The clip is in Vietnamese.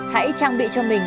hãy trang bị cho mình